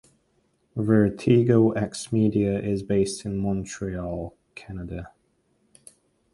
VertigoXmedia is based in Montreal, Canada.